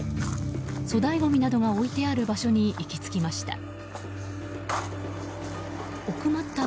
粗大ごみなどが置いている場所に行きつきました。